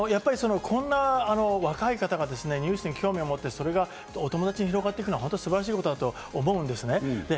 こんな若い方がニュースに興味を持ってそれがお友達に広がっていくのは本当に素晴らしいことだと思うんですね。